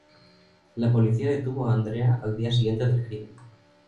La policía detuvo a Andrea al día siguiente del crimen.